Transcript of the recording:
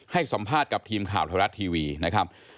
ให้สัมภาษณ์กับทีมข่าวไทยรัฐทีวีนะครับ